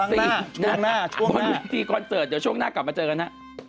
บนวิธีคอนเสิร์ตเดี๋ยวช่วงหน้ากลับมาเจอกันฮะ